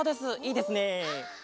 いいですね！